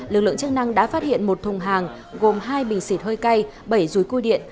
lực lượng chức năng đã phát hiện một thùng hàng gồm hai bình xịt hơi cay bảy rúi cui điện